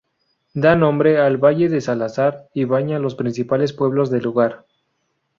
Da nombre al valle de Salazar y baña los principales pueblos del lugar.